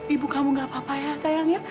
ibu kamu gak apa apa ya sayang ya